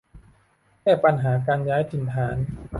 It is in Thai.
แก้ปัญหาการย้ายถิ่นฐาน